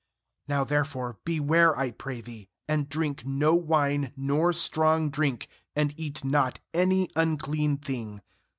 4Now therefore beware, I pray thee, and drink no wine nor strong drink, and eat not any unclean thing.